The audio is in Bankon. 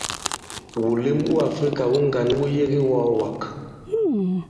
Wùlem wu Àfrikà wu ŋgǎn wu yebe i iwɔ̄ɔwàk.